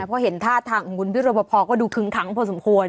เพราะเห็นท่าทางของคุณพี่รบพอก็ดูคึ้งขังพอสมควร